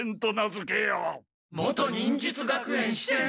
元忍術学園支店！？